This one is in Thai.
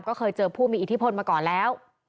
ก็เคยเจอผู้มีอิทธิพลมาก่อนแล้ว